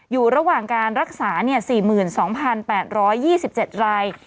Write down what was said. อยู่ระหว่างการรักษาเนี่ยสี่หมื่นสองพันแปดร้อยยี่สิบเจ็ดราย